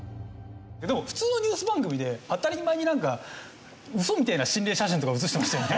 でも普通のニュース番組で当たり前になんかウソみたいな心霊写真とか映してましたよね。